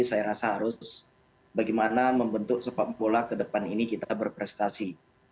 saya rasa harus bagaimana membentuk sepak bola ke depan ini kita berprestasi